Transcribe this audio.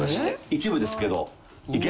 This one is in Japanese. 一部ですけど。